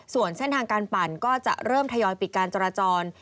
ส่วนเส้นทางการปั่นก็จะเริ่มทยอยปิดการจราจร